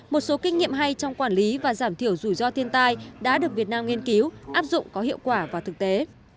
một số kinh nghiệm hay trong quản lý và giảm thiểu rủi ro thiên tai đã được việt nam nghiên cứu áp dụng có hiệu quả vào thực tế